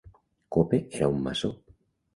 Cope era un maçó.